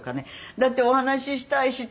だってお話ししたいしって。